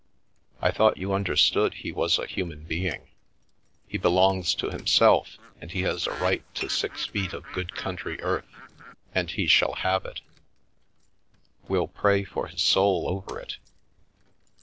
I thought you understood he was a human being. He belongs to himself, and he has a right to six feet of good country earth, and he shall have it We'll pray for his soul over it."